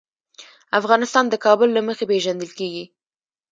افغانستان د کابل له مخې پېژندل کېږي.